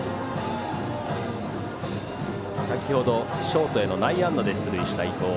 先ほど、ショートへの内野安打で出塁した伊藤。